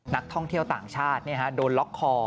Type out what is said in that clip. นักท่องเที่ยวต่างชาติโดนล็อกคอ